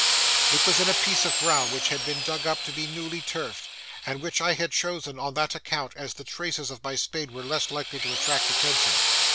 It was in a piece of ground which had been dug up to be newly turfed, and which I had chosen on that account, as the traces of my spade were less likely to attract attention.